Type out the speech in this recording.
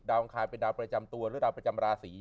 อังคารเป็นดาวประจำตัวหรือดาวประจำราศี